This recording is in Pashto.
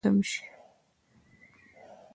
يعنې سکر به هم ونيسي او هلته به تم شي.